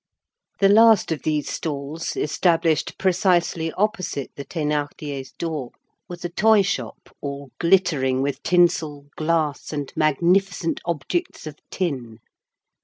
The last of these stalls, established precisely opposite the Thénardiers' door, was a toy shop all glittering with tinsel, glass, and magnificent objects of tin.